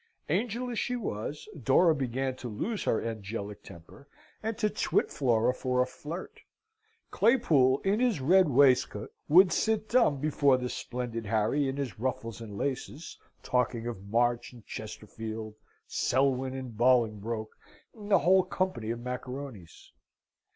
Angel as she was, Dora began to lose her angelic temper, and to twit Flora for a flirt. Claypool in his red waistcoat, would sit dumb before the splendid Harry in his ruffles and laces, talking of March and Chesterfield, Selwyn and Bolingbroke, and the whole company of macaronis.